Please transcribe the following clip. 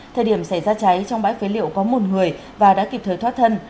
thời điểm xảy ra cháy trong bãi phế liệu có một người và đã kịp thời thoát thân